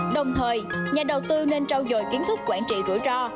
đồng thời nhà đầu tư nên trao dồi kiến thức quản trị rủi ro